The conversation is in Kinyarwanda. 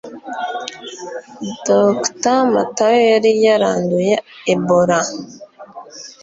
dr matayo yari yaranduye ebola